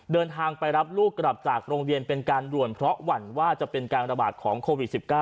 เดินทางไปรับลูกกลับจากโรงเรียนเป็นการด่วนเพราะหวั่นว่าจะเป็นการระบาดของโควิด๑๙